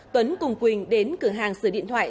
tuấn cùng quỳnh đến cửa hàng sửa điện thoại